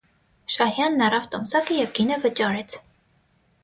Շահյանն առավ տոմսակը և գինը վճարեց: